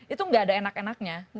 itu nggak ada enak enaknya